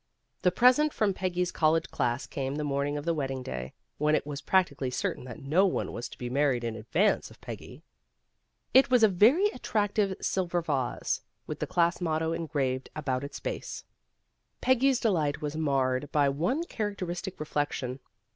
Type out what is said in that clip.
" The present from Peggy's college class came the morning of the wedding day, when it was practically certain that no one was to be married in advance of Peggy. It was a very 316 PEGGY RAYMOND'S WAY attractive silver vase, with the class motto en graved about its base. Peggy's delight was marred by one characteristic reflection.